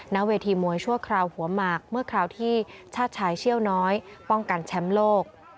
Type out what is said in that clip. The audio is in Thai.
ณเวทีมวยชั่วคราวหัวหมากเมื่อคราวที่ชาติชายเชี่ยวน้อยป้องกันแชมป์โลก